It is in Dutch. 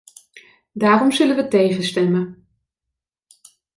Daarom zullen wij tegenstemmen.